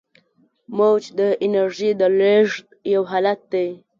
موج د انرژۍ د لیږد یو حالت دی.